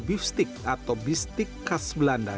bistik atau bistik khas belanda